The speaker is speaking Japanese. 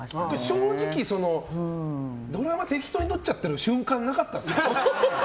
正直ドラマ、適当に撮っちゃってる瞬間なかったですか？